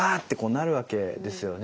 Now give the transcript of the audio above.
なるわけですよね。